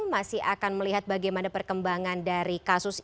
masih akan melihat bagaimana perkembangan dari kasus ini